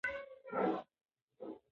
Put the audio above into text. د ټولنې هره برخه یوه ځانګړې دنده لري.